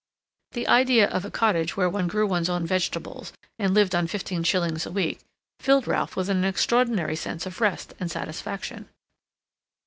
The idea of a cottage where one grew one's own vegetables and lived on fifteen shillings a week, filled Ralph with an extraordinary sense of rest and satisfaction.